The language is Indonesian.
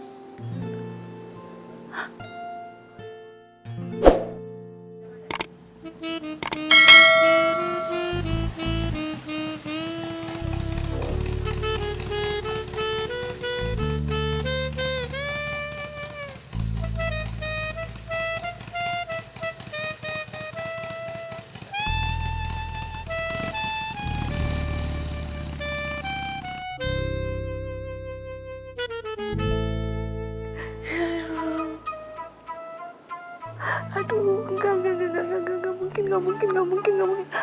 aduh enggak enggak enggak enggak enggak mungkin enggak mungkin enggak mungkin